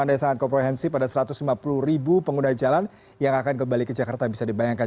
anda yang sangat komprehensif ada satu ratus lima puluh ribu pengguna jalan yang akan kembali ke jakarta bisa dibayangkan